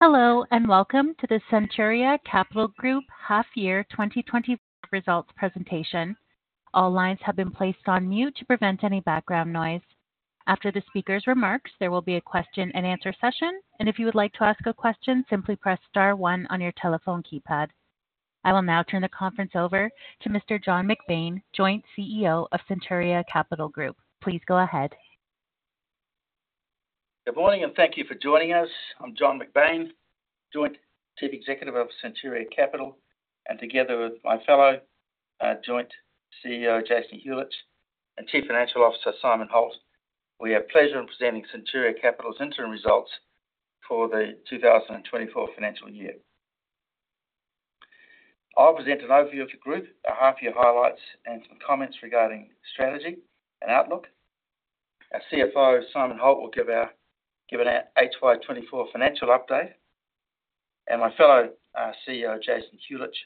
Hello, and welcome to the Centuria Capital Group Half Year 2024 Results presentation. All lines have been placed on mute to prevent any background noise. After the speaker's remarks, there will be a question-and-answer session, and if you would like to ask a question, simply press star one on your telephone keypad. I will now turn the conference over to Mr. John McBain, Joint CEO of Centuria Capital Group. Please go ahead. Good morning, and thank you for joining us. I'm John McBain, Joint Chief Executive of Centuria Capital, and together with my fellow Joint CEO, Jason Huljich, and Chief Financial Officer, Simon Holt, we have pleasure in presenting Centuria Capital's interim results for the 2024 financial year. I'll present an overview of the group, a half year highlights, and some comments regarding strategy and outlook. Our CFO, Simon Holt, will give an HY 2024 financial update, and my fellow CEO, Jason Huljich,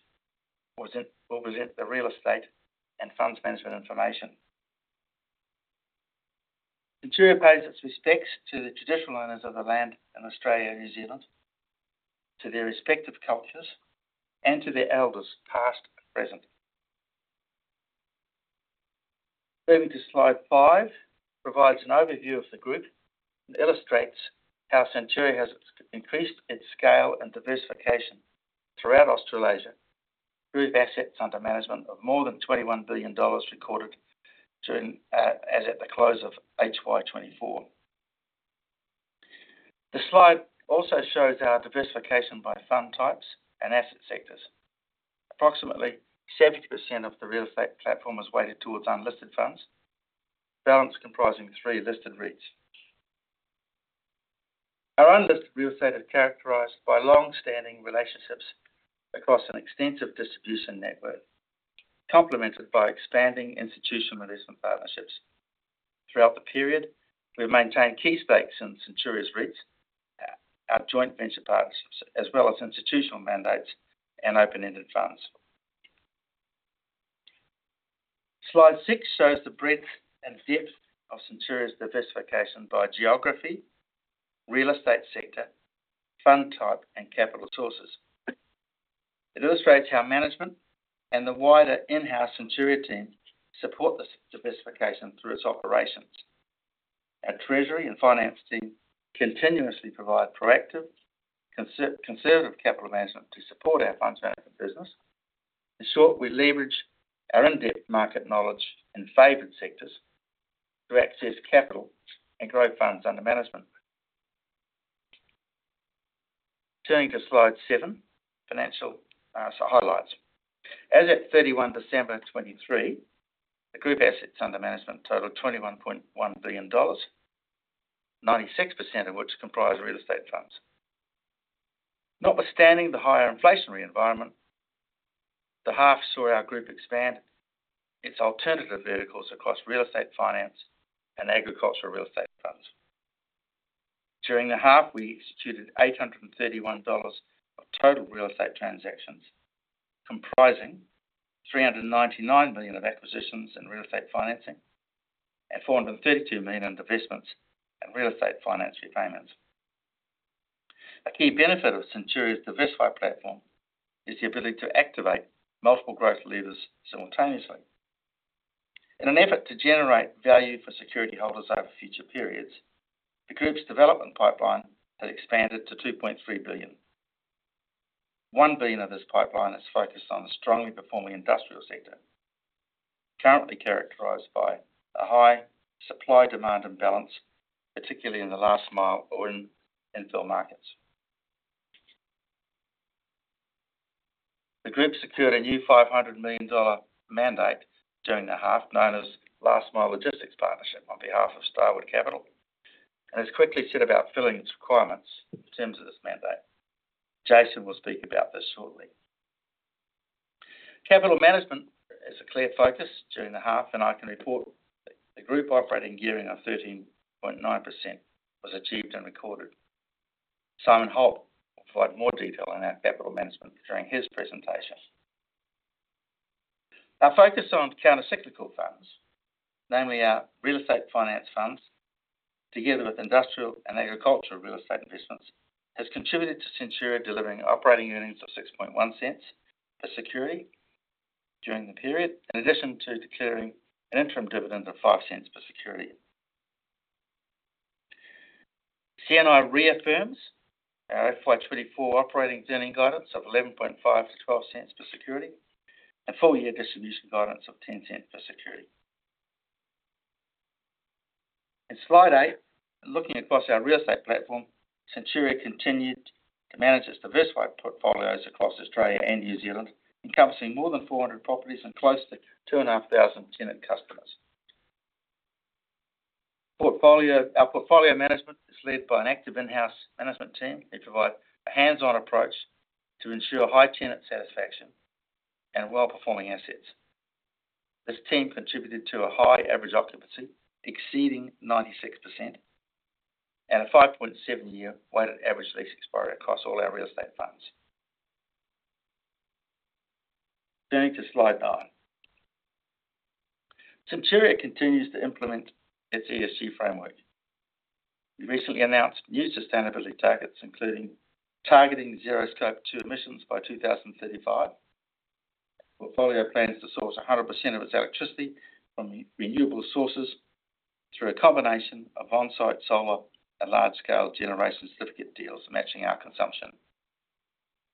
will present, will present the real estate and funds management information. Centuria pays its respects to the traditional owners of the land in Australia and New Zealand, to their respective cultures, and to their elders, past and present. Moving to slide five, provides an overview of the group and illustrates how Centuria has increased its scale and diversification throughout Australasia, through assets under management of more than 21 billion dollars recorded during as at the close of HY 2024. The slide also shows our diversification by fund types and asset sectors. Approximately 70% of the real estate platform is weighted towards unlisted funds, balance comprising three listed REITs. Our unlisted real estate is characterized by long-standing relationships across an extensive distribution network, complemented by expanding institutional partnerships. Throughout the period, we've maintained key stakes in Centuria's REITs, our joint venture partnerships, as well as institutional mandates and open-ended funds. Slide six shows the breadth and depth of Centuria's diversification by geography, real estate sector, fund type, and capital sources. It illustrates how management and the wider in-house Centuria team support this diversification through its operations. Our treasury and finance team continuously provide proactive, conservative capital management to support our funds management business. In short, we leverage our in-depth market knowledge in favored sectors to access capital and grow funds under management. Turning to slide seven, financial highlights. As at 31 December 2023, the group assets under management totaled 21.1 billion dollars, 96% of which comprise real estate funds. Notwithstanding the higher inflationary environment, the half saw our group expand its alternative vehicles across real estate finance and agricultural real estate funds. During the half, we executed 831 million dollars of total real estate transactions, comprising 399 million of acquisitions in real estate financing and 432 million investments and real estate finance repayments. A key benefit of Centuria's diversified platform is the ability to activate multiple growth levers simultaneously. In an effort to generate value for security holders over future periods, the group's development pipeline has expanded to 2.3 billion. One billion of this pipeline is focused on the strongly performing industrial sector, currently characterized by a high supply-demand imbalance, particularly in the last mile or in infill markets. The group secured a new $500 million mandate during the half, known as Last Mile Logistics Partnership, on behalf of Starwood Capital, and has quickly set about filling its requirements in terms of this mandate. Jason will speak about this shortly. Capital management is a clear focus during the half, and I can report the group operating gearing of 13.9% was achieved and recorded. Simon Holt will provide more detail on our capital management during his presentation. Our focus on countercyclical funds, namely our real estate finance funds, together with industrial and agricultural real estate investments, has contributed to Centuria delivering operating earnings of 0.061 per security during the period, in addition to declaring an interim dividend of 0.05 per security. CNI reaffirms our FY 2024 operating earnings guidance of 0.115-0.12 per security and full-year distribution guidance of 0.10 per security. In slide eight, looking across our real estate platform, Centuria continued to manage its diversified portfolios across Australia and New Zealand, encompassing more than 400 properties and close to 2,500 tenant customers. Our portfolio management is led by an active in-house management team. They provide a hands-on approach to ensure high tenant satisfaction and well-performing assets. This team contributed to a high average occupancy exceeding 96% and a 5.7-year weighted average lease expiry across all our real estate funds. Turning to slide nine. Centuria continues to implement its ESG framework. We recently announced new sustainability targets, including targeting zero Scope 2 emissions by 2035. Portfolio plans to source 100% of its electricity from renewable sources through a combination of on-site solar and large-scale generation certificate deals, matching our consumption.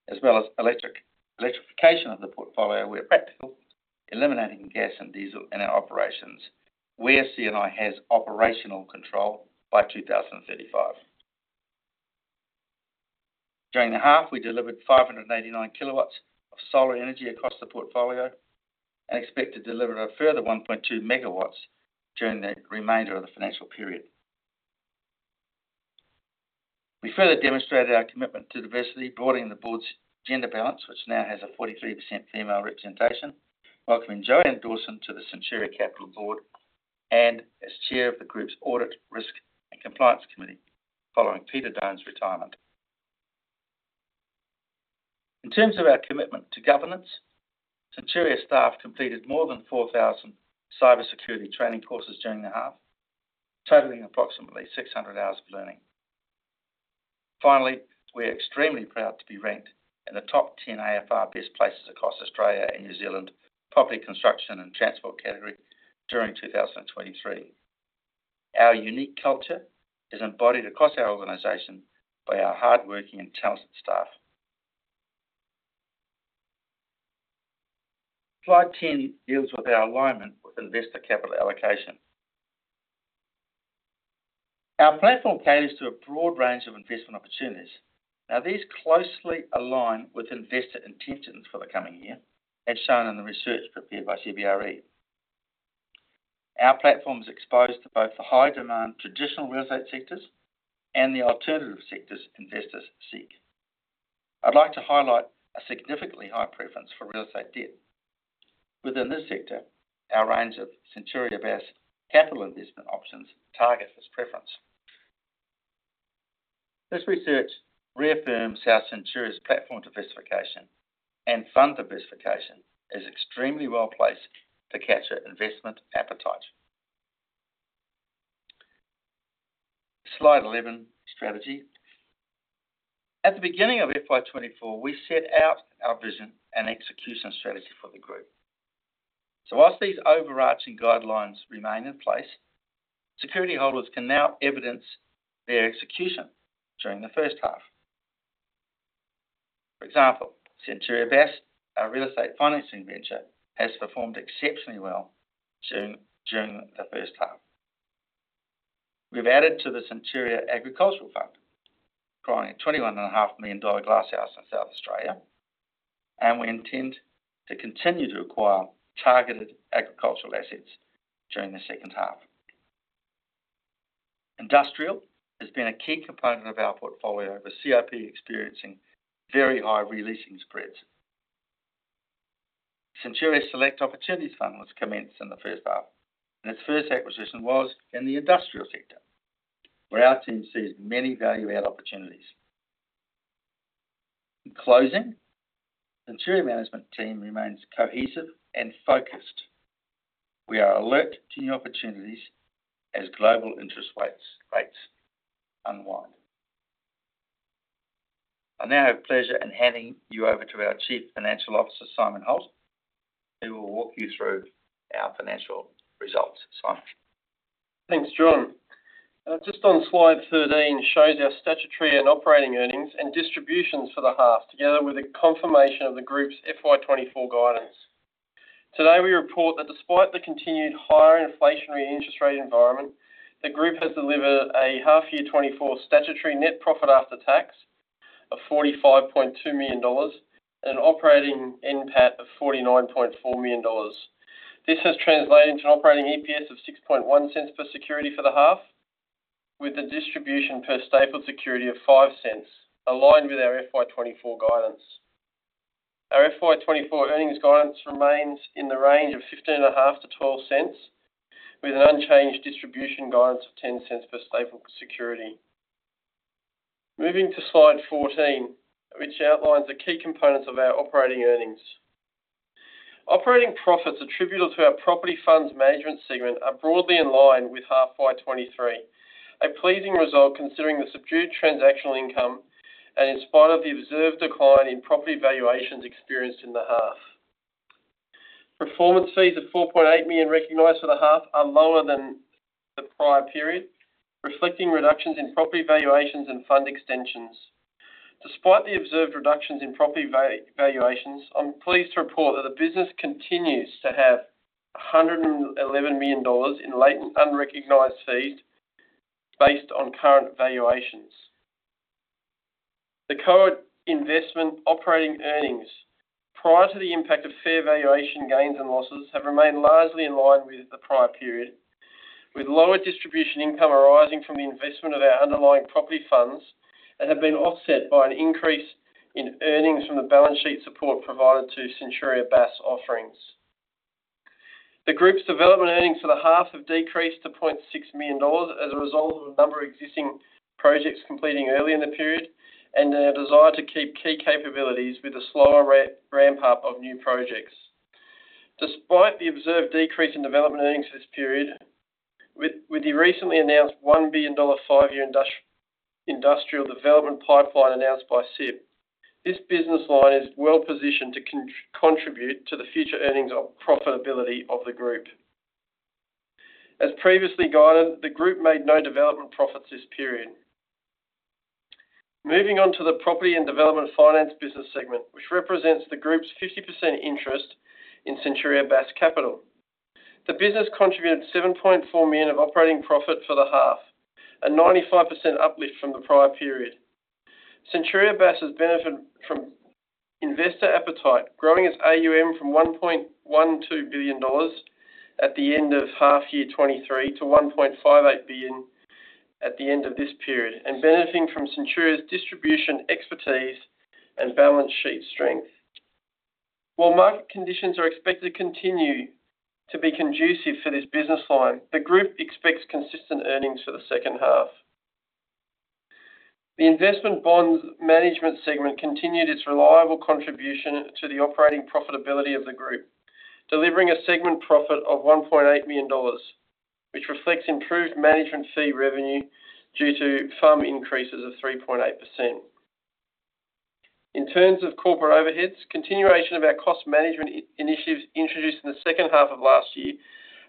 As well as electrification of the portfolio, where practical, eliminating gas and diesel in our operations, where C&I has operational control by 2035. During the half, we delivered 589 kW of solar energy across the portfolio, and expect to deliver a further 1.2 MW during the remainder of the financial period. We further demonstrated our commitment to diversity, broadening the board's gender balance, which now has a 43% female representation, welcoming Joanne Dawson to the Centuria Capital board, and as chair of the group's Audit, Risk, and Compliance Committee, following Peter Done's retirement. In terms of our commitment to governance, Centuria staff completed more than 4,000 cybersecurity training courses during the half, totaling approximately 600 hours of learning. Finally, we are extremely proud to be ranked in the top 10 AFR Best Places across Australia and New Zealand, property construction and transport category during 2023. Our unique culture is embodied across our organization by our hardworking and talented staff. Slide 10 deals with our alignment with investor capital allocation. Our platform caters to a broad range of investment opportunities. Now, these closely align with investor intentions for the coming year, as shown in the research prepared by CBRE. Our platform is exposed to both the high-demand traditional real estate sectors and the alternative sectors investors seek. I'd like to highlight a significantly high preference for real estate debt. Within this sector, our range of Centuria-based capital investment options target this preference. This research reaffirms how Centuria's platform diversification and fund diversification is extremely well placed to capture investment appetite. Slide 11, strategy. At the beginning of FY 2024, we set out our vision and execution strategy for the group. Whilst these overarching guidelines remain in place, security holders can now evidence their execution during the first half. For example, Centuria Bass, our real estate financing venture, has performed exceptionally well during the first half. We've added to the Centuria Agriculture Fund, acquiring a AUD 21.5 million glasshouse in South Australia, and we intend to continue to acquire targeted agricultural assets during the second half. Industrial has been a key component of our portfolio, with CIP experiencing very high re-leasing spreads. Centuria Select Opportunities Fund was commenced in the first half, and its first acquisition was in the industrial sector, where our team sees many value-add opportunities. In closing, Centuria management team remains cohesive and focused. We are alert to new opportunities as global interest rates, rates unwind. I now have pleasure in handing you over to our Chief Financial Officer, Simon Holt, who will walk you through our financial results. Simon? Thanks, John. Just on slide 13, shows our statutory and operating earnings and distributions for the half, together with a confirmation of the group's FY 2024 guidance. Today, we report that despite the continued higher inflationary interest rate environment, the group has delivered a half year 2024 statutory net profit after tax of 45.2 million dollars, and an operating NPAT of 49.4 million dollars. This has translated into an operating EPS of 0.061 per security for the half, with the distribution per stapled security of 0.05, aligned with our FY 2024 guidance. Our FY 2024 earnings guidance remains in the range of 0.155-0.12, with an unchanged distribution guidance of 0.10 per stapled security. Moving to slide 14, which outlines the key components of our operating earnings. Operating profits attributable to our property funds management segment are broadly in line with half FY 2023. A pleasing result, considering the subdued transactional income, and in spite of the observed decline in property valuations experienced in the half. Performance fees of 4.8 million recognized for the half are lower than the prior period, reflecting reductions in property valuations and fund extensions. Despite the observed reductions in property valuations, I'm pleased to report that the business continues to have 111 million dollars in latent, unrecognized fees based on current valuations. The current investment operating earnings, prior to the impact of fair valuation, gains and losses, have remained largely in line with the prior period, with lower distribution income arising from the investment of our underlying property funds, and have been offset by an increase in earnings from the balance sheet support provided to Centuria Bass offerings. The group's development earnings for the half have decreased to 0.6 million dollars as a result of a number of existing projects completing early in the period, and our desire to keep key capabilities with a slower ramp up of new projects. Despite the observed decrease in development earnings this period, with the recently announced 1 billion dollar five-year industrial development pipeline announced by CIP, this business line is well-positioned to contribute to the future earnings of profitability of the group. As previously guided, the group made no development profits this period. Moving on to the property and development finance business segment, which represents the group's 50% interest in Centuria Bass Capital. The business contributed 7.4 million of operating profit for the half, a 95% uplift from the prior period. Centuria Bass has benefited from investor appetite, growing its AUM from 1.12 billion dollars at the end of half year 2023 to 1.58 billion at the end of this period, and benefiting from Centuria's distribution, expertise, and balance sheet strength. While market conditions are expected to continue to be conducive for this business line, the group expects consistent earnings for the second half. The investment bonds management segment continued its reliable contribution to the operating profitability of the group, delivering a segment profit of 1.8 million dollars, which reflects improved management fee revenue due to FUM increases of 3.8%. In terms of corporate overheads, continuation of our cost management initiatives introduced in the second half of last year,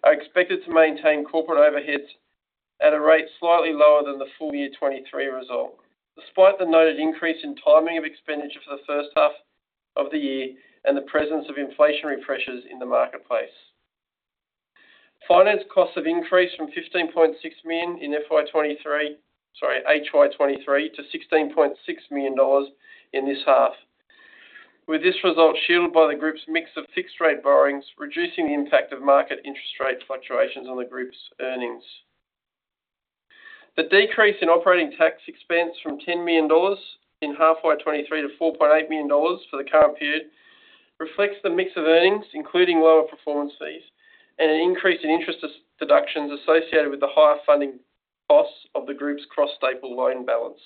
are expected to maintain corporate overheads at a rate slightly lower than the full year 2023 result. Despite the noted increase in timing of expenditure for the first half of the year and the presence of inflationary pressures in the marketplace. Finance costs have increased from 15.6 million in FY 2023, sorry, HY 2023, to 16.6 million dollars in this half. With this result, shielded by the group's mix of fixed rate borrowings, reducing the impact of market interest rate fluctuations on the group's earnings. The decrease in operating tax expense from 10 million dollars in half-year 2023 to 4.8 million dollars for the current period, reflects the mix of earnings, including lower performance fees, and an increase in interest as deductions associated with the higher funding costs of the group's cross-staple loan balance.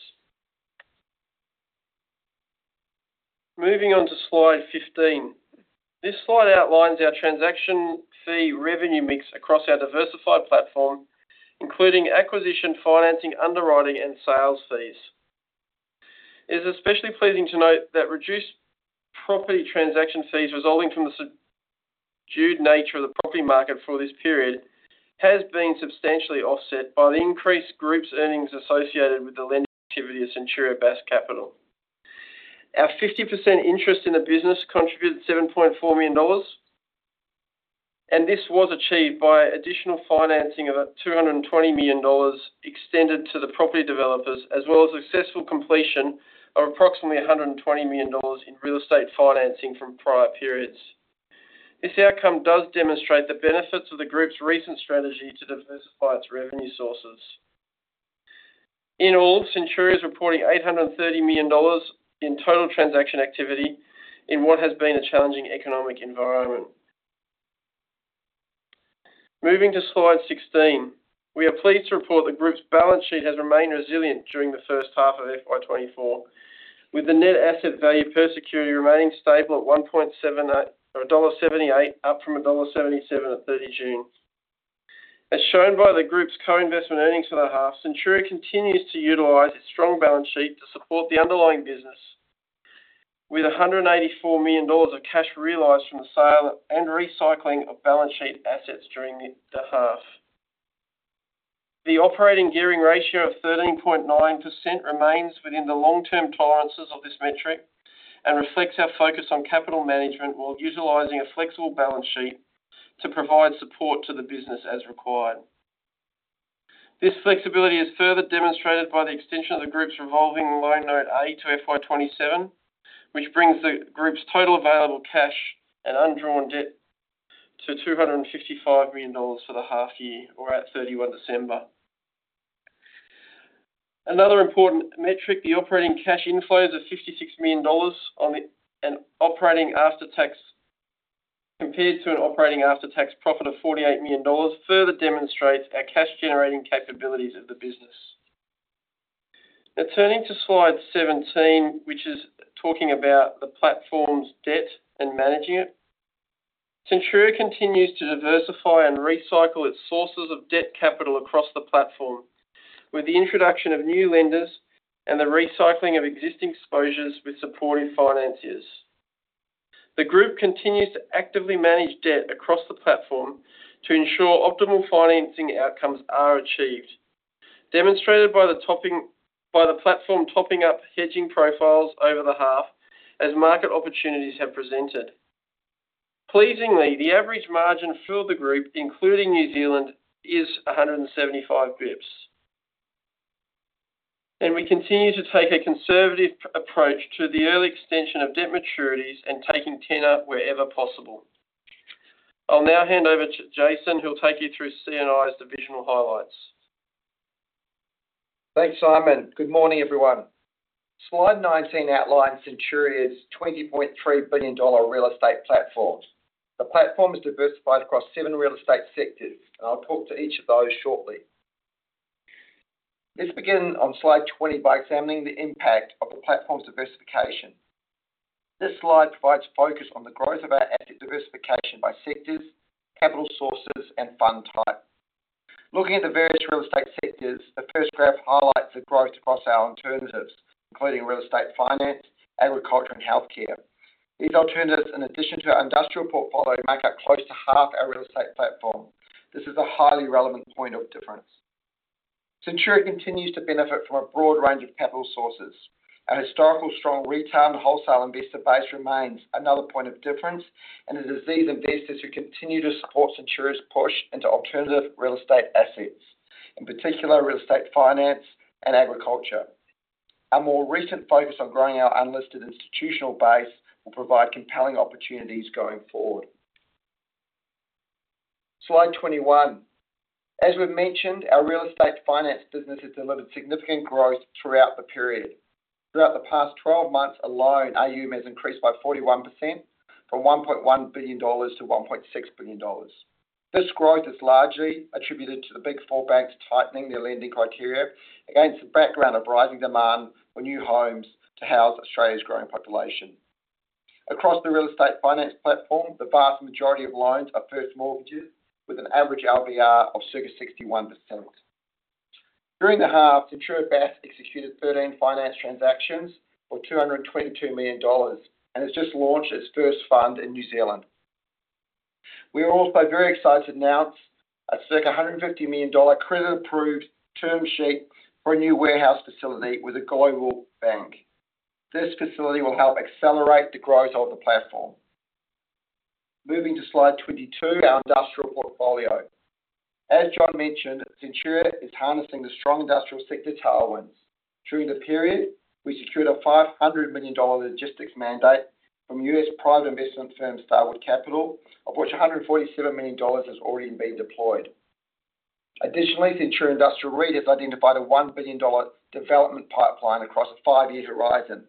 Moving on to slide 15. This slide outlines our transaction fee revenue mix across our diversified platform, including acquisition, financing, underwriting, and sales fees. It is especially pleasing to note that reduced property transaction fees resulting from the subdued nature of the property market for this period, has been substantially offset by the increased group's earnings associated with the lending activity of Centuria Bass Capital. Our 50% interest in the business contributed 7.4 million dollars, and this was achieved by additional financing of about 220 million dollars extended to the property developers, as well as successful completion of approximately 120 million dollars in real estate financing from prior periods. This outcome does demonstrate the benefits of the group's recent strategy to diversify its revenue sources. In all, Centuria is reporting 830 million dollars in total transaction activity in what has been a challenging economic environment. Moving to slide 16. We are pleased to report the group's balance sheet has remained resilient during the first half of FY 2024, with the net asset value per security remaining stable at 1.78 dollar, up from dollar 1.77 at 30 June. As shown by the group's co-investment earnings for the half, Centuria continues to utilize its strong balance sheet to support the underlying business, with 184 million dollars of cash realized from the sale and recycling of balance sheet assets during the half. The operating gearing ratio of 13.9% remains within the long-term tolerances of this metric and reflects our focus on capital management while utilizing a flexible balance sheet to provide support to the business as required. This flexibility is further demonstrated by the extension of the group's revolving loan Note A to FY 2027, which brings the group's total available cash and undrawn debt to 255 million dollars for the half year or at 31 December. Another important metric, the operating cash inflows of 56 million dollars on the operating after tax, compared to an operating after-tax profit of 48 million dollars, further demonstrates our cash-generating capabilities of the business. Now, turning to slide 17, which is talking about the platform's debt and managing it. Centuria continues to diversify and recycle its sources of debt capital across the platform, with the introduction of new lenders and the recycling of existing exposures with supportive financiers. The group continues to actively manage debt across the platform to ensure optimal financing outcomes are achieved, demonstrated by the platform topping up hedging profiles over the half as market opportunities have presented. Pleasingly, the average margin for the group, including New Zealand, is 175 basis points. We continue to take a conservative approach to the early extension of debt maturities and taking tenor wherever possible. I'll now hand over to Jason, who will take you through CNI's divisional highlights. Thanks, Simon. Good morning, everyone. Slide 19 outlines Centuria's 20.3 billion dollar real estate platform. The platform is diversified across seven real estate sectors, and I'll talk to each of those shortly. Let's begin on slide 20 by examining the impact of the platform's diversification. This slide provides focus on the growth of our asset diversification by sectors, capital sources, and fund type. Looking at the various real estate sectors, the first graph highlights the growth across our alternatives, including real estate finance, agriculture, and healthcare. These alternatives, in addition to our industrial portfolio, make up close to half our real estate platform. This is a highly relevant point of difference. Centuria continues to benefit from a broad range of capital sources. Our historical strong retail and wholesale investor base remains another point of difference, and it is these investors who continue to support Centuria's push into alternative real estate assets, in particular, real estate finance and agriculture. Our more recent focus on growing our unlisted institutional base will provide compelling opportunities going forward. Slide 21. As we've mentioned, our real estate finance business has delivered significant growth throughout the period. Throughout the past 12 months alone, AUM has increased by 41%, from 1.1 billion-1.6 billion dollars. This growth is largely attributed to the big four banks tightening their lending criteria against the background of rising demand for new homes to house Australia's growing population. Across the real estate finance platform, the vast majority of loans are first mortgages, with an average LVR of circa 61%. During the half, Centuria Bass Credit executed 13 finance transactions for 222 million dollars, and has just launched its first fund in New Zealand. We are also very excited to announce a circa 150 million dollar credit-approved term sheet for a new warehouse facility with a global bank. This facility will help accelerate the growth of the platform. Moving to slide 22, our industrial portfolio. As John mentioned, Centuria is harnessing the strong industrial sector tailwinds. During the period, we secured a $500 million logistics mandate from U.S. private investment firm, Starwood Capital, of which $147 million has already been deployed. Additionally, Centuria Industrial REIT has identified a AUD 1 billion development pipeline across a five-year horizon,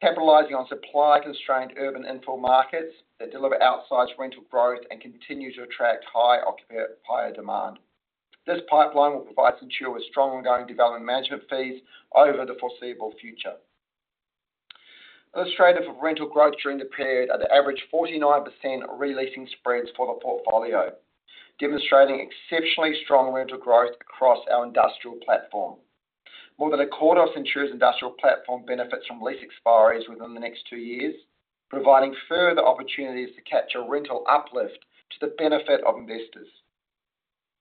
capitalizing on supply-constrained urban infill markets that deliver outsized rental growth and continue to attract high occupier, higher demand. This pipeline will provide Centuria with strong ongoing development management fees over the foreseeable future. Illustrative of rental growth during the period are the average 49% re-leasing spreads for the portfolio, demonstrating exceptionally strong rental growth across our industrial platform. More than a quarter of Centuria's industrial platform benefits from lease expiries within the next two years, providing further opportunities to capture rental uplift to the benefit of investors.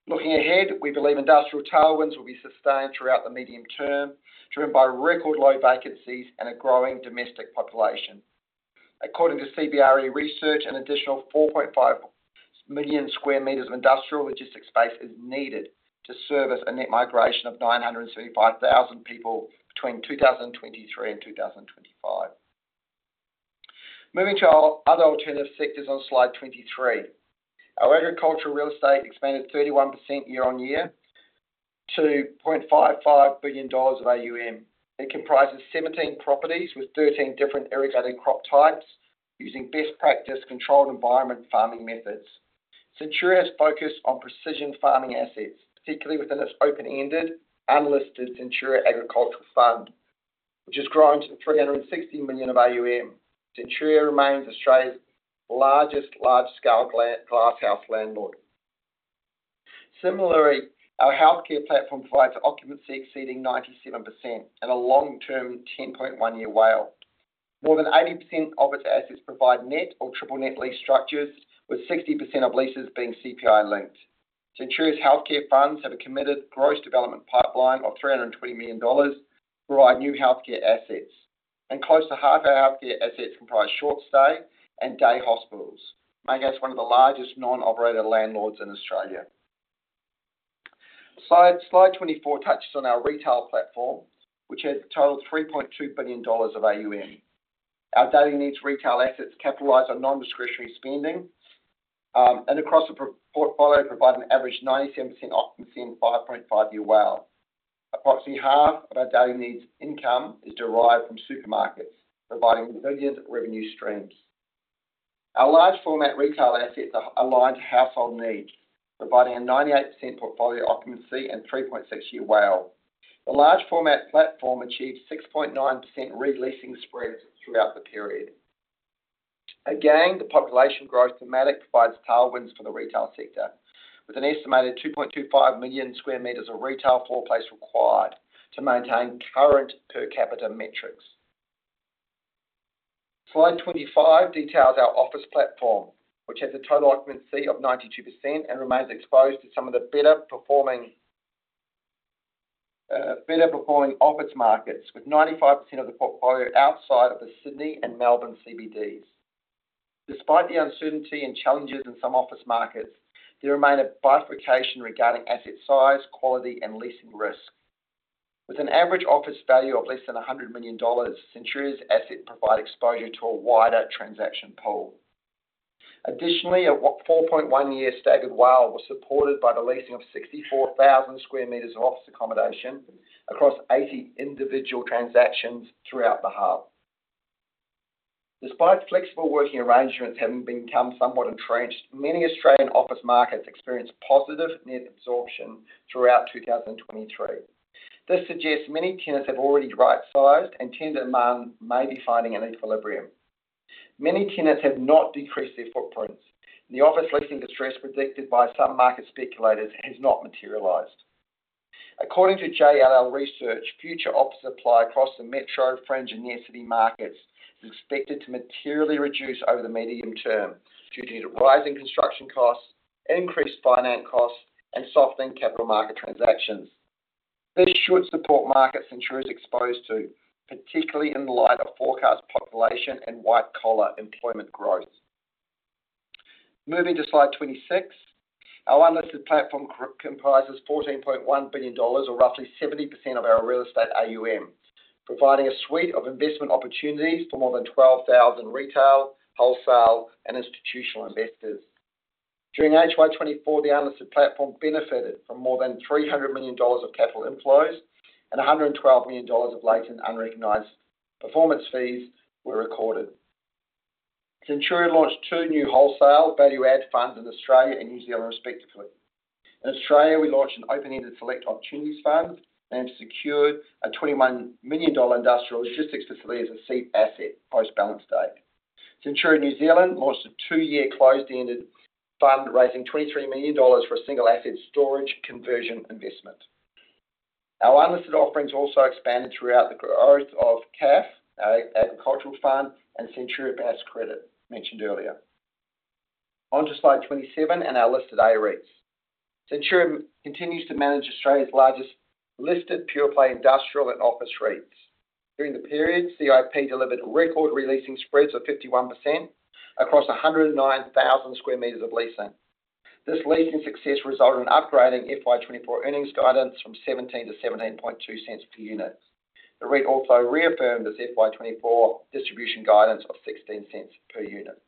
Looking ahead, we believe industrial tailwinds will be sustained throughout the medium term, driven by record low vacancies and a growing domestic population. According to CBRE Research, an additional 4.5 million sq m of industrial logistics space is needed to service a net migration of 935,000 people between 2023-2025. Moving to our other alternative sectors on slide 23. Our agricultural real estate expanded 31% year-on-year to 0.55 billion dollars of AUM. It comprises 17 properties with 13 different irrigated crop types, using best practice, controlled environment farming methods. Centuria is focused on precision farming assets, particularly within its open-ended, unlisted Centuria Agriculture Fund, which has grown to 360 million of AUM. Centuria remains Australia's largest, large-scale glasshouse landlord. Similarly, our healthcare platform provides occupancy exceeding 97% and a long-term 10.1-year WALE. More than 80% of its assets provide net or triple net lease structures, with 60% of leases being CPI-linked. Centuria's healthcare funds have a committed gross development pipeline of 320 million dollars for our new healthcare assets, and close to half our healthcare assets comprise short-stay and day hospitals, making us one of the largest non-operator landlords in Australia. Slide 24 touches on our retail platform, which has a total of 3.2 billion dollars of AUM. Our daily needs retail assets capitalize on non-discretionary spending, and across the portfolio, provide an average 97% occupancy and 5.5-year WALE. Approximately half of our daily needs income is derived from supermarkets, providing resilient revenue streams. Our large format retail assets are aligned to household needs, providing a 98% portfolio occupancy and 3.6-year WALE. The large format platform achieved 6.9% re-leasing spreads throughout the period. Again, the population growth thematic provides tailwinds for the retail sector, with an estimated 2.25 million sq m of retail floor space required to maintain current per capita metrics. Slide 25 details our office platform, which has a total occupancy of 92% and remains exposed to some of the better performing, better performing office markets, with 95% of the portfolio outside of the Sydney and Melbourne CBDs. Despite the uncertainty and challenges in some office markets, there remain a bifurcation regarding asset size, quality, and leasing risk. With an average office value of less than 100 million dollars, Centuria's assets provide exposure to a wider transaction pool. Additionally, our 4.1-year staggered WALE was supported by the leasing of 64,000 sq m of office accommodation across 80 individual transactions throughout the half. Despite flexible working arrangements having become somewhat entrenched, many Australian office markets experienced positive net absorption throughout 2023. This suggests many tenants have already right-sized, and tenant demand may be finding an equilibrium. Many tenants have not decreased their footprints. The office leasing distress predicted by some market speculators has not materialized. According to JLL Research, future office supply across the metro, fringe, and near city markets is expected to materially reduce over the medium term due to rising construction costs, increased finance costs, and softening capital market transactions. This should support markets Centuria is exposed to, particularly in the light of forecast population and white-collar employment growth. Moving to slide 26, our unlisted platform comprises 14.1 billion dollars, or roughly 70% of our real estate AUM, providing a suite of investment opportunities to more than 12,000 retail, wholesale, and institutional investors. During HY 2024, the unlisted platform benefited from more than 300 million dollars of capital inflows and 112 million dollars of latent unrecognized performance fees were recorded. Centuria launched two new wholesale value add funds in Australia and New Zealand, respectively. In Australia, we launched an open-ended Select Opportunities Fund and secured a 21 million dollar industrial logistics facility as a seed asset post-balance date. Centuria New Zealand launched a two-year closed-ended fund, raising 23 million dollars for a single asset storage conversion investment. Our unlisted offerings also expanded throughout the growth of CAF, our agricultural fund, and Centuria Bass Credit, mentioned earlier. On to slide 27, and our listed AREITs. Centuria continues to manage Australia's largest listed pure-play industrial and office REITs. During the period, CIP delivered record re-leasing spreads of 51% across 109,000 sq m of leasing. This leasing success resulted in upgrading FY 2024 earnings guidance from 0.17-0.172 per unit. The REIT also reaffirmed its FY 2024 distribution guidance of 0.16 per unit.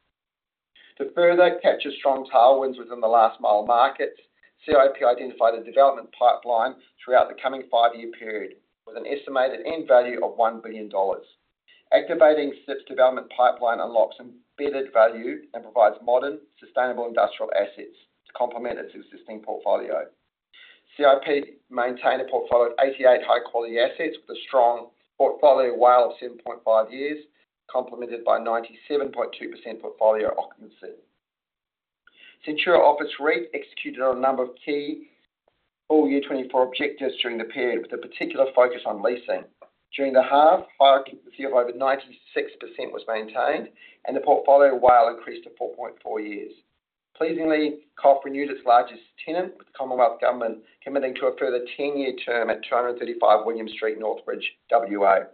To further capture strong tailwinds within the last mile markets, CIP identified a development pipeline throughout the coming five-year period, with an estimated end value of 1 billion dollars. Activating this development pipeline unlocks embedded value and provides modern, sustainable industrial assets to complement its existing portfolio. CIP maintains a portfolio of 88 high-quality assets with a strong portfolio WALE of 7.5 years, complemented by 97.2% portfolio occupancy. Centuria Office REIT executed on a number of key full year 2024 objectives during the period, with a particular focus on leasing. During the half, high occupancy of over 96% was maintained, and the portfolio WALE increased to 4.4 years. Pleasingly, COF renewed its largest tenant, with the Commonwealth Government committing to a further 10-year term at 235 William Street, Northbridge, WA.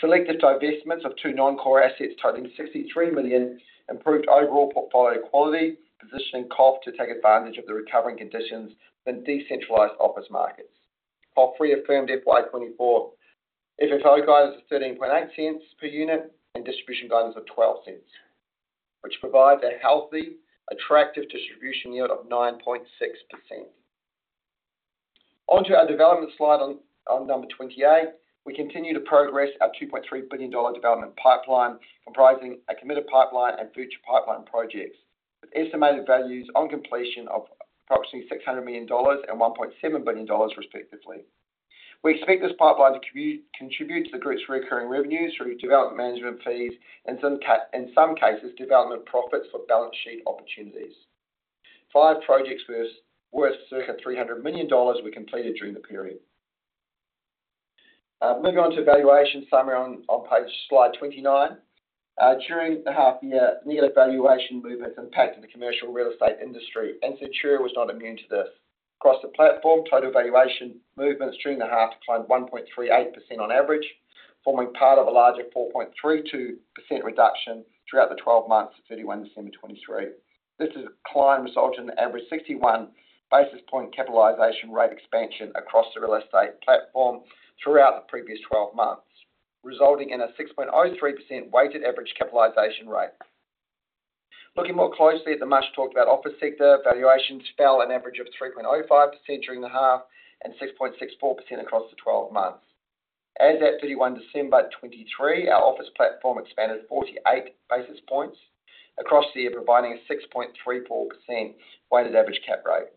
Selected divestments of two non-core assets totaling 63 million, improved overall portfolio quality, positioning COF to take advantage of the recovering conditions in decentralized office markets. COF reaffirmed FY 2024 FFO guidance of 0.138 per unit and distribution guidance of 0.12, which provides a healthy, attractive distribution yield of 9.6%. On to our development slide on number 28. We continue to progress our 2.3 billion-dollar development pipeline, comprising a committed pipeline and future pipeline projects, with estimated values on completion of approximately 600 million dollars and 1.7 billion dollars, respectively. We expect this pipeline to contribute to the group's recurring revenues through development management fees and in some cases, development profits for balance sheet opportunities. Five projects worth circa 300 million dollars were completed during the period. Moving on to valuation summary on page slide 29. During the half year, negative valuation movements impacted the commercial real estate industry, and Centuria was not immune to this. Across the platform, total valuation movements during the half declined 1.38% on average, forming part of a larger 4.32% reduction throughout the 12 months to 31 December 2023. This decline resulted in an average 61 basis point capitalization rate expansion across the real estate platform throughout the previous 12 months, resulting in a 6.03% weighted average capitalization rate. Looking more closely at the much-talked-about office sector, valuations fell an average of 3.05% during the half and 6.64% across the 12 months. As at 31 December 2023, our office platform expanded 48 basis points across the year, providing a 6.34% weighted average cap rate.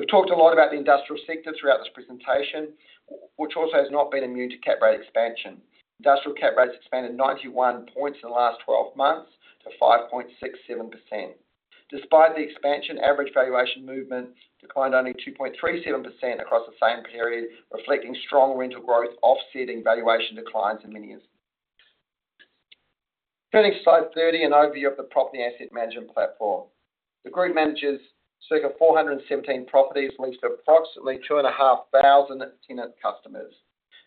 We've talked a lot about the industrial sector throughout this presentation, which also has not been immune to cap rate expansion. Industrial cap rates expanded 91 points in the last twelve months to 5.67%. Despite the expansion, average valuation movements declined only 2.37% across the same period, reflecting strong rental growth, offsetting valuation declines in many instances. Turning to slide 30, an overview of the property asset management platform. The group manages circa 417 properties, leased to approximately 2,500 tenant customers.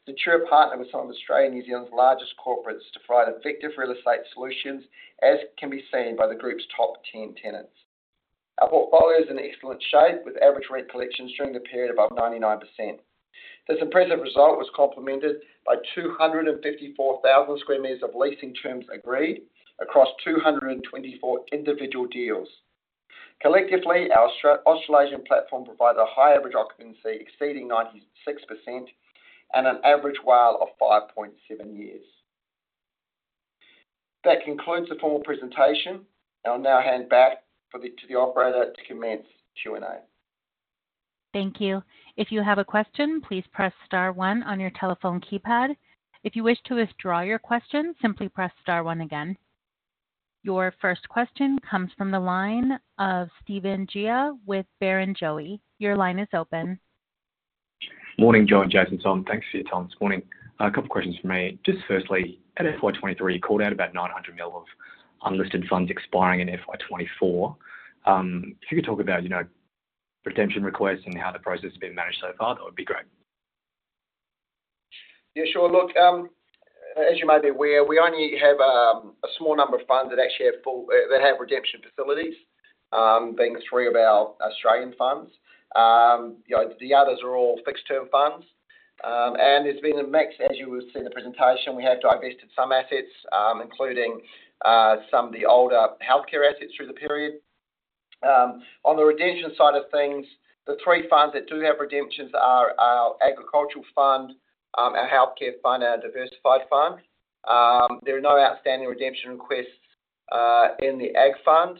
Centuria partners with some of Australia and New Zealand's largest corporates to provide effective real estate solutions, as can be seen by the group's top ten tenants. Our portfolio is in excellent shape, with average rent collections during the period above 99%. This impressive result was complemented by 254,000 sq m of leasing terms agreed across 224 individual deals. Collectively, our Australasian platform provides a high average occupancy exceeding 96% and an average WALE of 5.7 years. That concludes the formal presentation. I'll now hand back to the operator to commence Q&A. Thank you. If you have a question, please press star one on your telephone keypad. If you wish to withdraw your question, simply press star one again. Your first question comes from the line of Stephen Tjia with Barrenjoey. Your line is open. Morning, Joe, Jason, Tom, thanks for your time this morning. A couple of questions from me. Just firstly, at FY 2023, you called out about 900 million of unlisted funds expiring in FY 2024. If you could talk about, you know, redemption requests and how the process has been managed so far, that would be great. Yeah, sure. Look, as you may be aware, we only have a small number of funds that actually have full, that have redemption facilities, being three of our Australian funds. You know, the others are all fixed-term funds and there's been a mix, as you would see in the presentation, we have divested some assets, including some of the older healthcare assets through the period. On the redemption side of things, the three funds that do have redemptions are our agricultural fund, our healthcare fund, and our diversified fund. There are no outstanding redemption requests in the ag fund.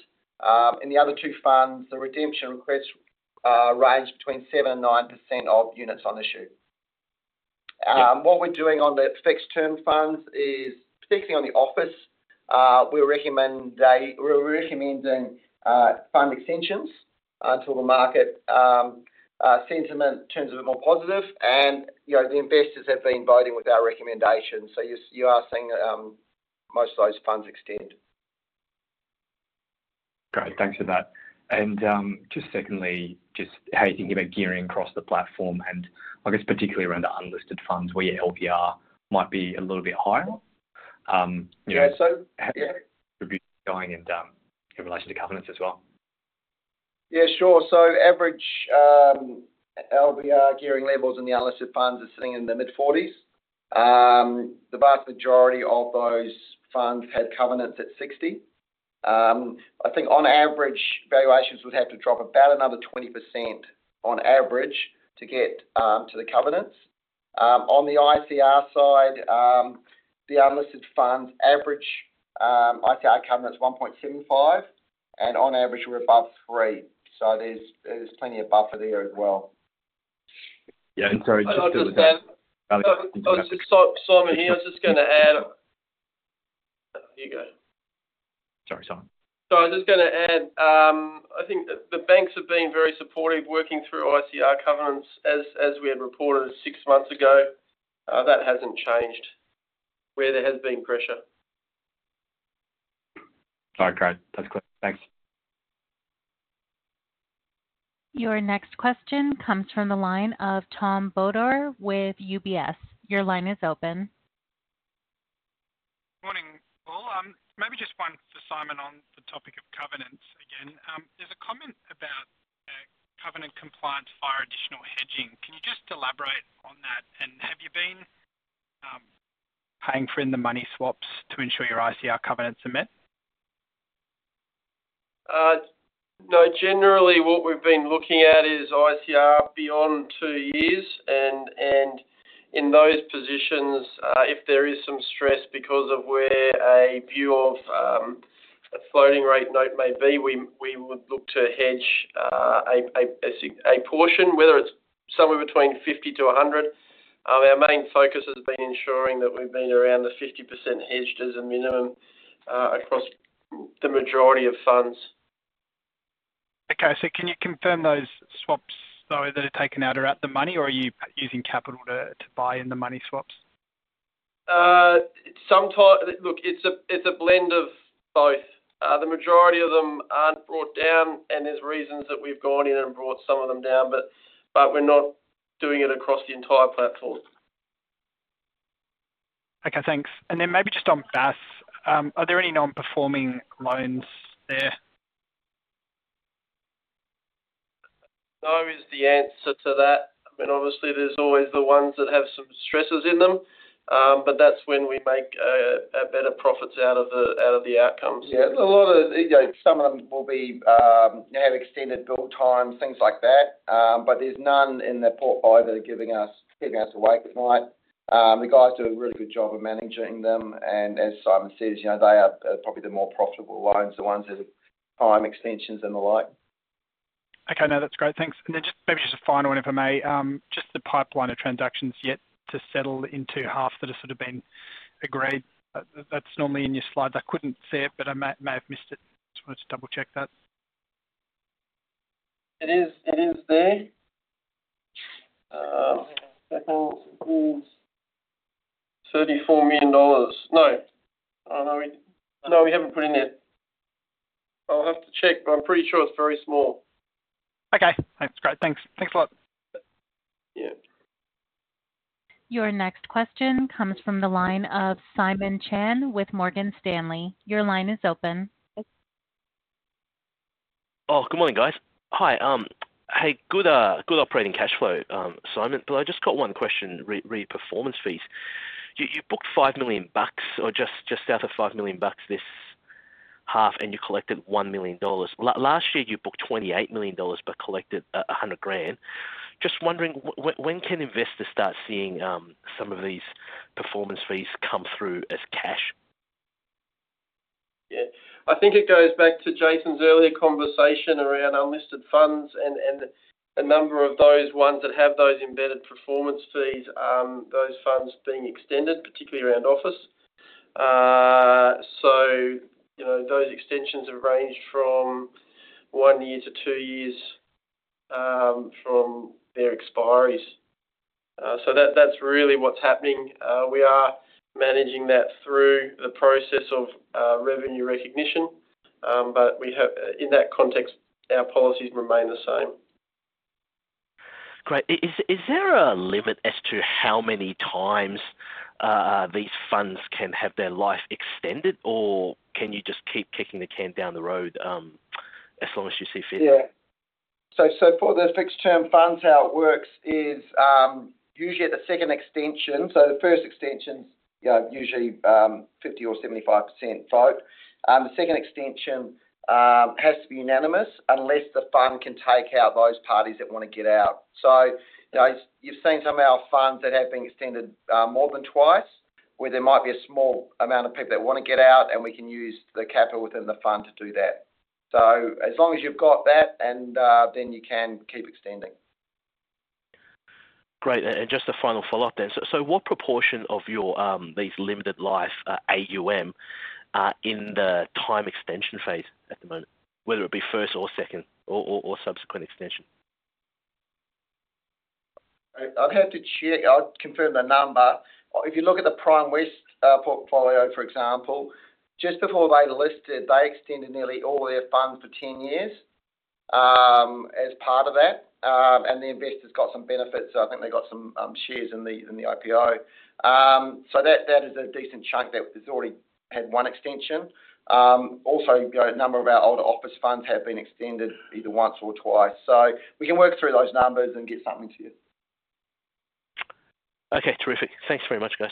In the other two funds, the redemption requests range between 7% and 9% of units on issue. What we're doing on the fixed-term funds is, particularly on the office, we recommend we're recommending fund extensions until the market sentiment turns a bit more positive, and, you know, the investors have been voting with our recommendations. So you are seeing most of those funds extend. Great, thanks for that. Just secondly, just how you think about gearing across the platform, and I guess particularly around the unlisted funds, where your LVR might be a little bit higher. You know- Yeah, so- How do you think going in, in relation to covenants as well? Yeah, sure. So average LVR gearing levels in the unlisted funds are sitting in the mid-forties. The vast majority of those funds had covenants at 60. I think on average, valuations would have to drop about another 20% on average to get to the covenants. On the ICR side, the unlisted funds average ICR covenant is 1.75, and on average, we're above three, so there's plenty of buffer there as well. Yeah, and so just- I'll just add... So, Simon here, I was just gonna add. You go. Sorry, Simon. So I was just gonna add, I think the banks have been very supportive working through ICR covenants as we had reported six months ago. That hasn't changed where there has been pressure. All right, great. That's clear. Thanks. Your next question comes from the line of Tom Bodor with UBS. Your line is open. Morning, all. Maybe just one for Simon on the topic of covenants again. There's a comment about covenant compliance via additional hedging. Can you just elaborate on that, and have you been paying for in the money swaps to ensure your ICR covenants are met? No. Generally, what we've been looking at is ICR beyond two years, and in those positions, if there is some stress because of where a view of a floating rate note may be, we would look to hedge a significant portion, whether it's somewhere between 50%-100%. Our main focus has been ensuring that we've been around the 50% hedged as a minimum, across the majority of funds. Okay, so can you confirm those swaps, though, that are taken out are at the money, or are you using capital to buy in the money swaps? Sometimes... Look, it's a, it's a blend of both. The majority of them aren't brought down, and there's reasons that we've gone in and brought some of them down, but, but we're not doing it across the entire platform. Okay, thanks. Then maybe just on Bass, are there any non-performing loans there? No, is the answer to that. I mean, obviously, there's always the ones that have some stresses in them, but that's when we make a better profits out of the outcomes. Yeah, a lot of, you know, some of them will be, have extended build time, things like that. But there's none in the portfolio that are giving us, keeping us awake at night. The guys do a really good job of managing them, and as Simon said, you know, they are, probably the more profitable loans, the ones that are time extensions and the like. Okay, now that's great. Thanks. Then just, maybe just a final one, if I may. Just the pipeline of transactions yet to settle into half that have sort of been agreed. That's normally in your slides. I couldn't see it, but I might, may have missed it. Just wanted to double-check that. It is, it is there. I think it was 34 million dollars. No, no, we, no, we haven't put in yet. I'll have to check, but I'm pretty sure it's very small. Okay, thanks. Great, thanks. Thanks a lot. Your next question comes from the line of Simon Chan with Morgan Stanley. Your line is open. Oh, good morning, guys. Hi, hey, good operating cash flow, Simon, but I just got one question regarding performance fees. You booked 5 million bucks or just out of 5 million bucks this half, and you collected 1 million dollars. Last year, you booked 28 million dollars but collected a hundred grand. Just wondering when can investors start seeing some of these performance fees come through as cash? Yeah, I think it goes back to Jason's earlier conversation around unlisted funds and a number of those ones that have those embedded performance fees, those funds being extended, particularly around office. So, you know, those extensions have ranged from one year to two years, from their expiries. So that, that's really what's happening. We are managing that through the process of revenue recognition, but we have, in that context, our policies remain the same. Great. Is there a limit as to how many times these funds can have their life extended, or can you just keep kicking the can down the road as long as you see fit? Yeah. So, so for the fixed-term funds, how it works is, usually at the second extension, so the first extension's, you know, usually, 50% or 75% vote. The second extension has to be unanimous unless the fund can take out those parties that wanna get out. So, you know, you've seen some of our funds that have been extended, more than twice, where there might be a small amount of people that wanna get out, and we can use the capital within the fund to do that. So as long as you've got that, and, then you can keep extending. Great, and just a final follow-up then. So, what proportion of your these limited life AUM are in the time extension phase at the moment, whether it be first or second or subsequent extension? I'd have to check. I'll confirm the number. If you look at the Primewest portfolio, for example, just before they listed, they extended nearly all their funds for 10 years, as part of that, and the investors got some benefits, so I think they got some shares in the IPO. So that is a decent chunk that has already had one extension. Also, you know, a number of our older office funds have been extended either once or twice. So we can work through those numbers and get something to you. Okay, terrific. Thanks very much, guys.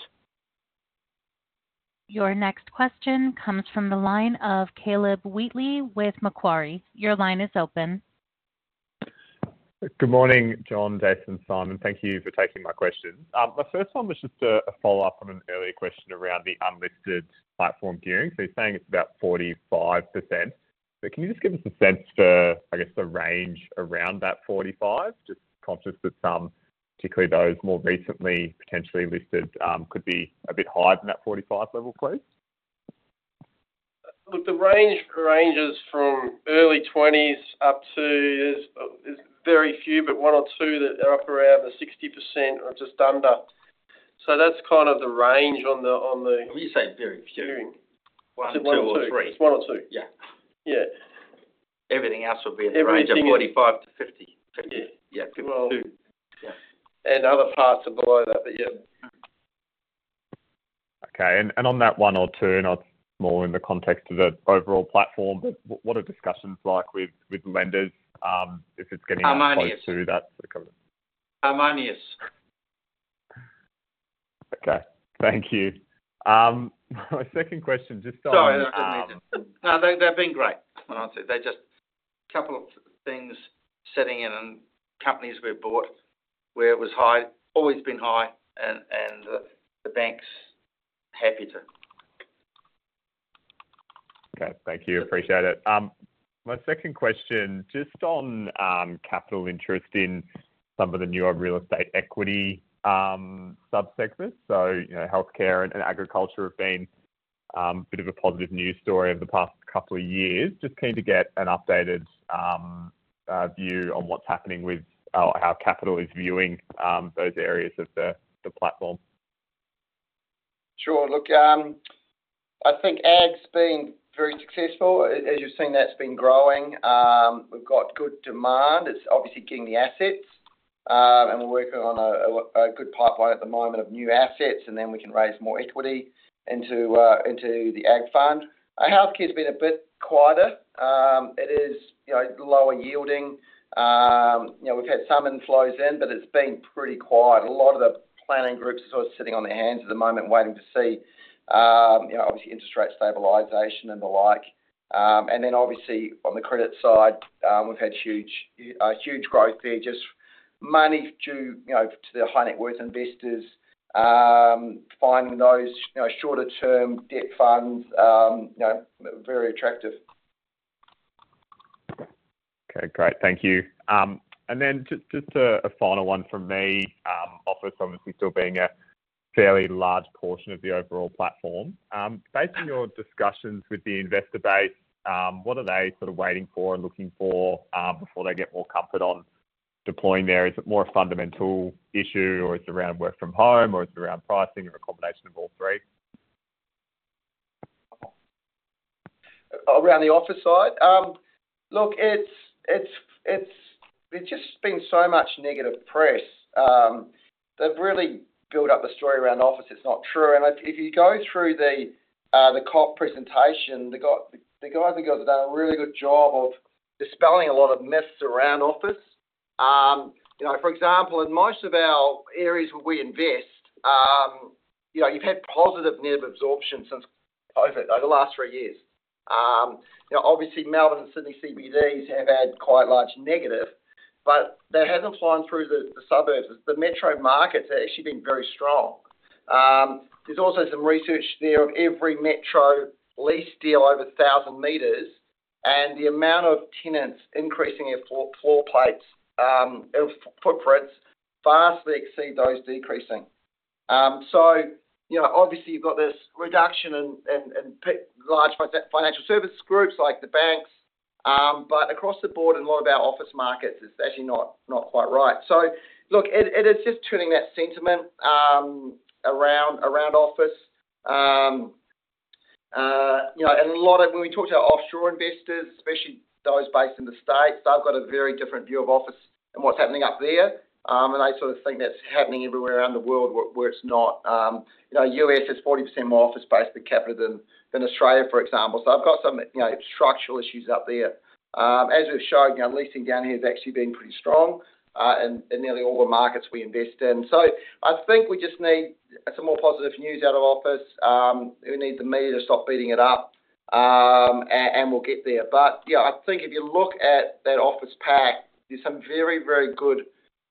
Your next question comes from the line of Caleb Wheatley with Macquarie. Your line is open. Good morning, John, Jason, Simon. Thank you for taking my questions. My first one was just a follow-up on an earlier question around the unlisted platform gearing. So you're saying it's about 45%, but can you just give us a sense for, I guess, the range around that 45? Just conscious that some, particularly those more recently potentially unlisted, could be a bit higher than that 45 level, please. Look, the range ranges from early 20s up to... There's very few, but one or two that are up around the 60% or just under. So that's kind of the range on the, on the- When you say very few- Gearing. One, two, or three. It's one or two. Yeah. Yeah. Everything else would be in the range of 45-50. Yeah. Yeah, 52. Yeah. Other parts are below that, but yeah. Okay, and on that one or two, not more in the context of the overall platform, but what are discussions like with lenders, if it's getting- Harmonious... close to that? Harmonious. Okay, thank you. My second question, just on,- Sorry, no, they've been great. When I say, they're just a couple of things settling in, and companies we've bought where it was high, always been high, and the bank's happy to. Okay. Thank you. Appreciate it. My second question, just on capital interest in some of the newer real estate equity subsectors. So, you know, healthcare and agriculture have been a bit of a positive news story over the past couple of years. Just keen to get an updated view on what's happening with, or how capital is viewing, those areas of the platform. Sure. Look, I think ag's been very successful. As you've seen, that's been growing. We've got good demand. It's obviously getting the assets, and we're working on a good pipeline at the moment of new assets, and then we can raise more equity into into the ag fund. Our healthcare's been a bit quieter. It is, you know, lower yielding. You know, we've had some inflows in, but it's been pretty quiet. A lot of the planning groups are sort of sitting on their hands at the moment, waiting to see, you know, obviously interest rate stabilization and the like. Then obviously on the credit side, we've had huge, huge growth there, just money to, you know, to the high net worth investors, finding those, you know, shorter-term debt funds, you know, very attractive. Okay, great. Thank you. Then just a final one from me, office obviously still being a fairly large portion of the overall platform. Based on your discussions with the investor base, what are they sort of waiting for and looking for, before they get more comfort on deploying there? Is it more a fundamental issue, or it's around work from home, or it's around pricing, or a combination of all three? Around the office side? Look, there's just been so much negative press. They've really built up a story around office that's not true, and if you go through the, the COF presentation, the guys and girls have done a really good job of dispelling a lot of myths around office. You know, for example, in most of our areas where we invest, you know, you've had positive net absorption since COVID, over the last three years. You know, obviously, Melbourne and Sydney CBDs have had quite large negative, but that hasn't flown through the, the suburbs. The metro markets have actually been very strong. There's also some research there on every metro lease deal over 1,000 m, and the amount of tenants increasing their floor plates, or footprints, vastly exceed those decreasing. So you know, obviously, you've got this reduction in large financial service groups like the banks, but across the board in a lot of our office markets, it's actually not quite right. So look, it is just turning that sentiment around office. You know, and a lot of when we talk to our offshore investors, especially those based in the States, they've got a very different view of office and what's happening up there. They sort of think that's happening everywhere around the world, where it's not. You know, U.S. has 40% more office space per capita than Australia, for example, so I've got some, you know, structural issues up there. As we've shown, you know, leasing down here has actually been pretty strong in nearly all the markets we invest in. So I think we just need some more positive news out of office. We need the media to stop beating it up, and we'll get there. But yeah, I think if you look at that office pack, there's some very, very good, you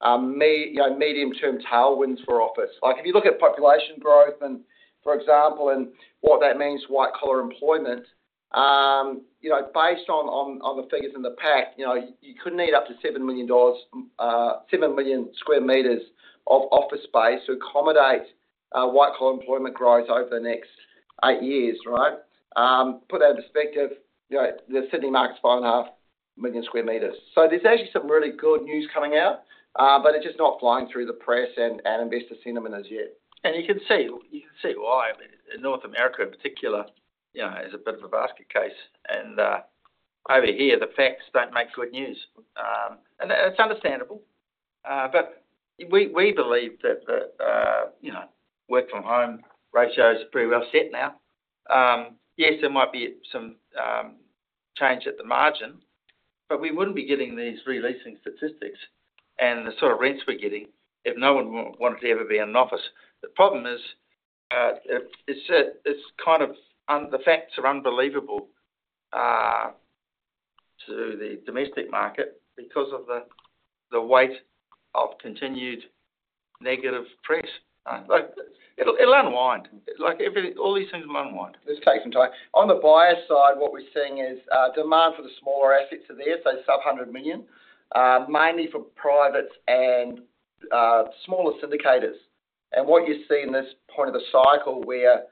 know, medium-term tailwinds for office. Like, if you look at population growth and, for example, and what that means, white-collar employment, you know, based on the figures in the pack, you know, you could need up to 7 million sq m of office space to accommodate white-collar employment growth over the next eight years, right? Put that in perspective, you know, the Sydney market's 5.5 million sq m. So there's actually some really good news coming out, but it's just not flying through the press and investor sentiment as yet. You can see, you can see why in North America in particular, you know, is a bit of a basket case, and over here, the facts don't make good news. It's understandable, but we believe that the, you know, work from home ratio is pretty well set now. Yes, there might be some change at the margin, but we wouldn't be getting these re-leasing statistics and the sort of rents we're getting if no one wanted to ever be in an office. The problem is, it's kind of unbelievable, the facts are unbelievable to the domestic market because of the weight of continued negative press. Like, it'll unwind. Like every... all these things will unwind. Just take some time. On the buyer side, what we're seeing is demand for the smaller assets are there, so sub-AUD 100 million, mainly for privates and smaller syndicators and what you see in this point of the cycle, where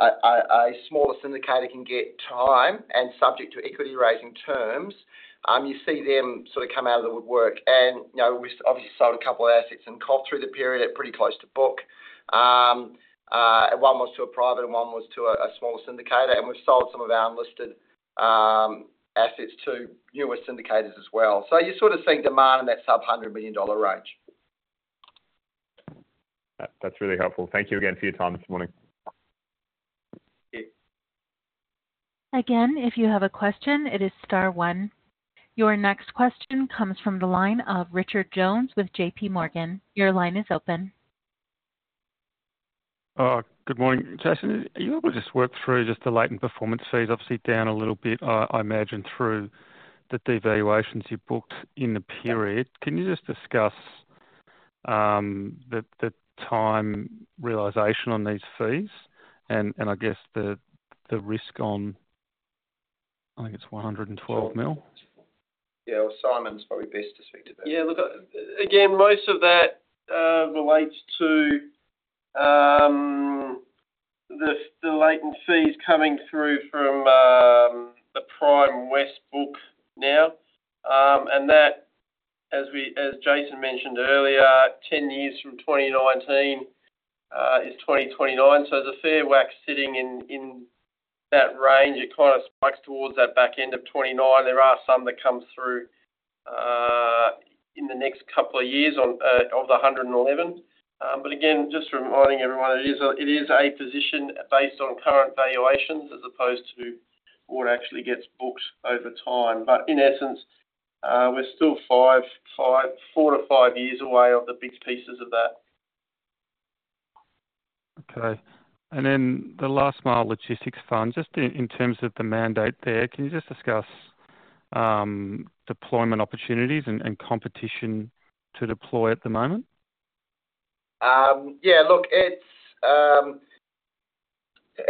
a smaller syndicator can get time and subject to equity raising terms, you see them sort of come out of the woodwork. You know, we obviously sold a couple of assets and bought through the period at pretty close to book. One was to a private, and one was to a smaller syndicator, and we've sold some of our unlisted assets to newer syndicators as well. So you're sort of seeing demand in that sub-AUD 100 million range. That's really helpful. Thank you again for your time this morning. Thanks. Again, if you have a question, it is star one. Your next question comes from the line of Richard Jones with JP Morgan. Your line is open. Good morning. Jason, are you able to just work through just the latent performance fees, obviously down a little bit, I imagine through the devaluations you booked in the period. Can you just discuss the time realization on these fees and I guess the risk on, I think it's 112 million? Yeah, well, Simon's probably best to speak to that. Yeah, look, again, most of that relates to the latent fees coming through from the Primewest book now and that, as Jason mentioned earlier, 10 years from 2019 is 2029, so there's a fair whack sitting in that range. It kind of spikes towards that back end of 2029. There are some that come through in the next couple of years on one of the 111. But again, just reminding everyone, it is a position based on current valuations as opposed to what actually gets booked over time. But in essence, we're still 4-5 years away of the big pieces of that. Okay, and then the Last Mile Logistics Fund, just in terms of the mandate there, can you just discuss deployment opportunities and competition to deploy at the moment? Yeah, look, it's.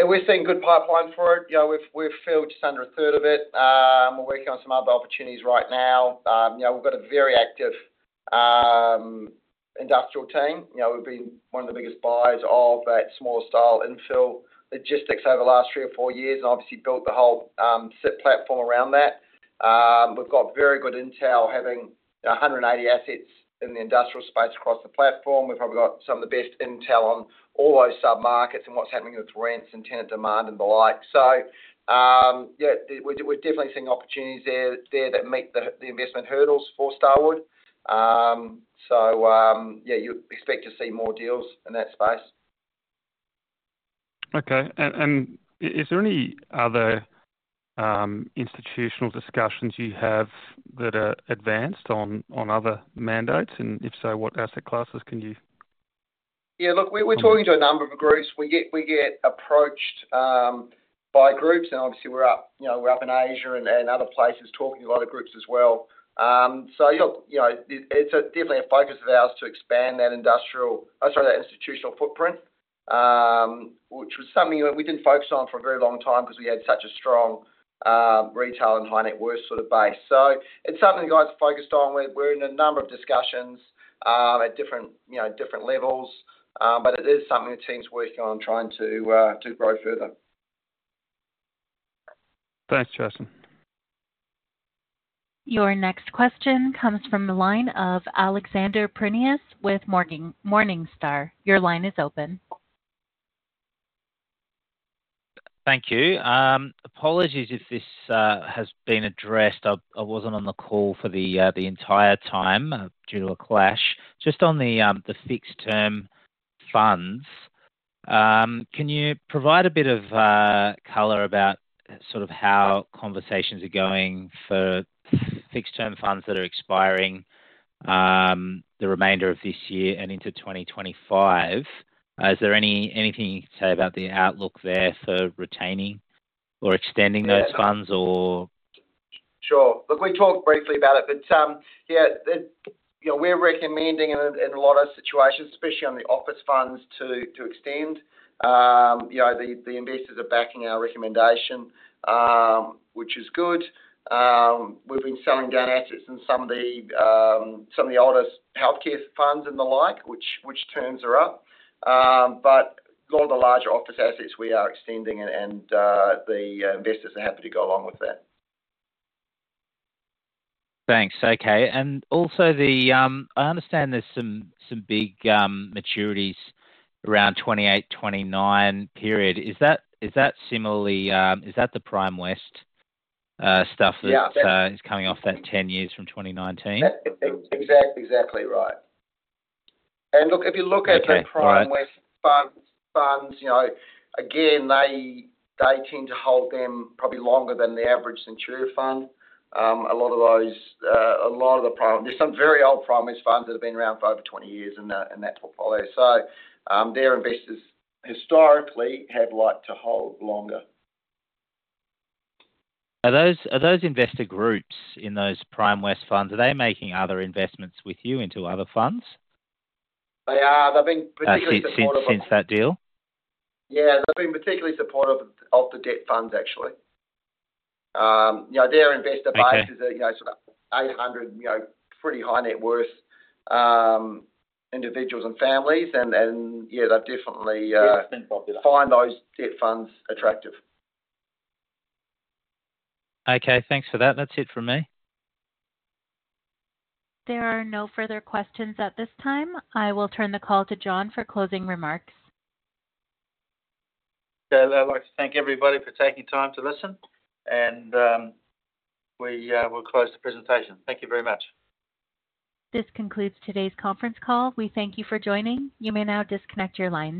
We're seeing good pipeline for it. You know, we've filled just under a third of it. We're working on some other opportunities right now. You know, we've got a very active industrial team. You know, we've been one of the biggest buyers of that smaller style infill logistics over the last three or four years, and obviously built the whole CIP platform around that. We've got very good intel, having 180 assets in the industrial space across the platform. We've probably got some of the best intel on all those submarkets and what's happening with rents and tenant demand and the like. So, yeah, we're definitely seeing opportunities there that meet the investment hurdles for Starwood. So, yeah, you expect to see more deals in that space. Okay. Is there any other institutional discussions you have that are advanced on other mandates? If so, what asset classes can you- Yeah, look, we're talking to a number of groups. We get approached by groups, and obviously we're up, you know, in Asia and other places talking to a lot of groups as well. So look, you know, it's definitely a focus of ours to expand that industrial, that institutional footprint, which was something that we didn't focus on for a very long time because we had such a strong retail and high net worth sort of base. So it's something the guys are focused on. We're in a number of discussions at different levels, but it is something the team's working on trying to grow further. Thanks, Jason. Your next question comes from the line of Alexander Prineas with Morningstar. Your line is open. Thank you. Apologies if this has been addressed. I wasn't on the call for the entire time due to a clash. Just on the fixed term funds, can you provide a bit of color about sort of how conversations are going for fixed term funds that are expiring, the remainder of this year and into 2025? Is there anything you can say about the outlook there for retaining or extending those funds or? Sure. Look, we talked briefly about it, but yeah, you know, we're recommending in a lot of situations, especially on the office funds to extend. You know, the investors are backing our recommendation, which is good. We've been selling down assets in some of the oldest healthcare funds and the like, which terms are up. But a lot of the larger office assets we are extending and the investors are happy to go along with that. Thanks. Okay. Also the, I understand there's some, some big, maturities around 2028, 2029 period. Is that, is that similarly, is that the Primewest, stuff- Yeah -that is coming off that 10 years from 2019? That's exactly, exactly right. Look, if you look at- Okay. - the Primewest funds, you know, again, they, they tend to hold them probably longer than the average Centuria fund. A lot of those, a lot of the Primewest—there's some very old Primewest funds that have been around for over 20 years in that, in that portfolio. So, their investors historically have liked to hold longer. Are those investor groups in those Primewest funds, are they making other investments with you into other funds? They are. They've been particularly supportive of- Since that deal? Yeah, they've been particularly supportive of the debt funds, actually. You know, their investor base- Okay is, you know, sort of 800, you know, pretty high net worth individuals and families, and, and, yeah, they've definitely, It's been popular. Find those debt funds attractive. Okay, thanks for that. That's it from me. There are no further questions at this time. I will turn the call to John for closing remarks. I'd like to thank everybody for taking time to listen, and we will close the presentation. Thank you very much. This concludes today's conference call. We thank you for joining. You may now disconnect your lines.